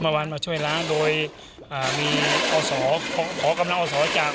เมื่อวานมาช่วยร้านโดยอ่ามีอศขอกำลังอสอจาก